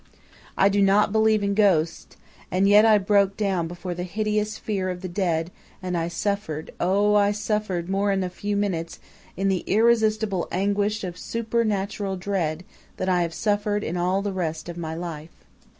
"I do not believe in ghosts; and yet I broke down before the hideous fear of the dead; and I suffered, oh, I suffered more in a few minutes, in the irresistible anguish of supernatural dread, than I have suffered in all the rest of my life!